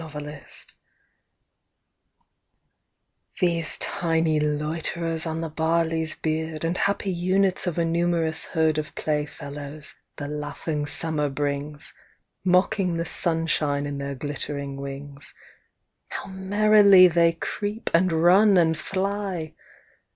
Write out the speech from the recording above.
Insects These tiny loiterers on the barley's beard, And happy units of a numerous herd Of playfellows, the laughing Summer brings, Mocking the sunshine in their glittering wings, How merrily they creep, and run, and fly!